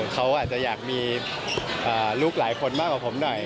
เขาอาจจะอยากมีลูกหลายคนมากกว่าผมหน่อย